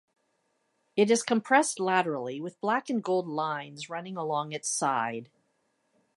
It is compressed laterally, with black and gold lines running along its side.